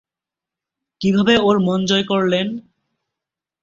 কীভাবে ওর মন জয় করলে?